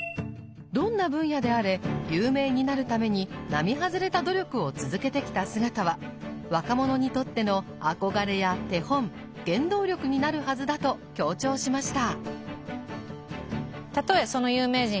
どんな分野であれ有名になるために並外れた努力を続けてきた姿は若者にとっての憧れや手本原動力になるはずだと強調しました。